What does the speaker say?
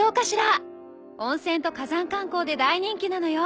温泉と火山観光で大人気なのよ。